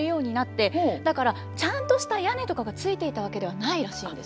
だからちゃんとした屋根とかがついていたわけではないらしいんです。